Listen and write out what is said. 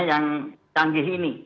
yang canggih ini